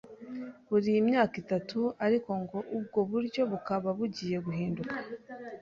buri myaka itatu, ariko ngo ubwo buryo bukaba bugiye guhinduka.